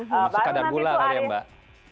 termasuk kadar gula kali ya mbak